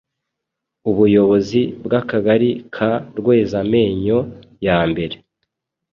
ubuyobozi bw’akagari ka rwezamenyo yambere